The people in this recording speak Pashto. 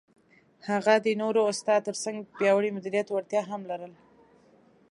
هغه د غوره استاد تر څنګ د پیاوړي مدیریت وړتیا هم لري.